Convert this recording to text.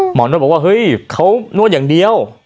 นวดบอกว่าเฮ้ยเขานวดอย่างเดียว